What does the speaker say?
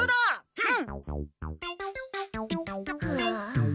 うん。